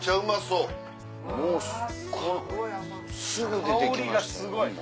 すぐ出て来ましたよ。